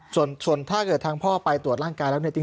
ส่วนถ้าเกิดทางพ่อไปตรวจร่างกายแล้วเนี่ยจริง